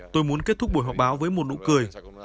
tôi muốn kết thúc buổi họp báo với một nụ cười